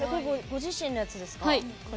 ご自身のやつですか？